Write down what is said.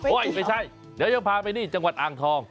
ไม่ใช่เดี๋ยวจะพาไปนี่จังหวัดอ่างทอง